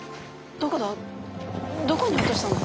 どこに落としたんだ？